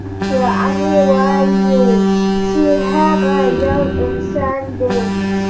یعنې ووایو چې هغه یو انسان دی.